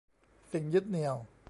สิ่งยึดเหนี่ยว